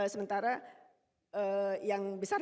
sementara yang besar